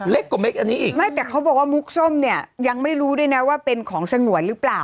กว่าเม็กอันนี้อีกไม่แต่เขาบอกว่ามุกส้มเนี่ยยังไม่รู้ด้วยนะว่าเป็นของสงวนหรือเปล่า